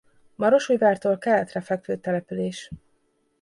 Marosújvártól keletre fekvő település.